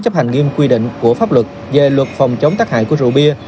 chấp hành nghiêm quy định của pháp luật về luật phòng chống tác hại của rượu bia